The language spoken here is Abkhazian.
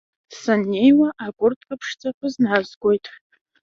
Саннеиуа акурҭка ԥшӡа бызназгоит.